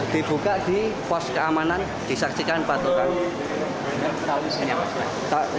di pos keamanan disaksikan patokan